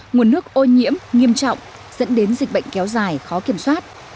nguồn nước ô nhiễm nghiêm trọng dẫn đến dịch bệnh kéo dài khó kiểm soát